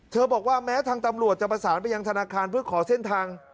บอกว่าแม้ทางตำรวจจะประสานไปยังธนาคารเพื่อขอเส้นทาง